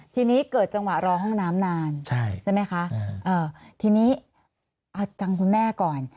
ทีนี้เกิดจังหวะรอห้องน้ำนานใช่ไหมคะทีนี้เอาจังคุณแม่ก่อน